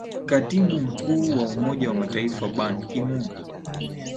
katibu mkuu wa umoja mataifa ban kimoon